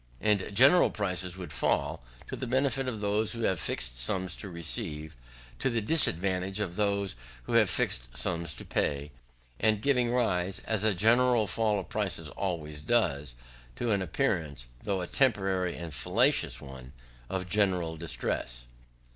And general prices would fall; to the benefit of those who have fixed sums to receive; to the disadvantage of those who have fixed sums to pay; and giving rise, as a general fall of prices always does, to an appearance, though a temporary and fallacious one, of general distress.